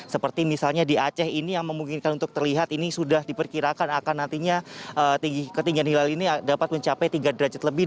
seperti misalnya di aceh ini yang memungkinkan untuk terlihat ini sudah diperkirakan akan nantinya ketinggian hilal ini dapat mencapai tiga derajat lebih